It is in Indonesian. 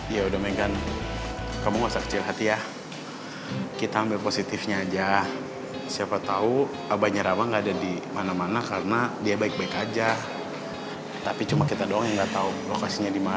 ya udah meghan kamu masa kecil hati ya kita ambil positifnya aja siapa tahu abahnya rawa nggak ada di mana mana karena dia baik baik aja tapi cuma kita doang yang nggak tahu lokasinya di mana